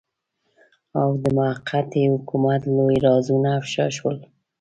او د موقتي حکومت لوی رازونه افشاء شول.